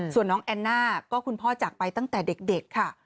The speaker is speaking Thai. ส่วนน้องแอนน่าก็คุณพ่อจากไปตั้งแต่เด็กค่ะ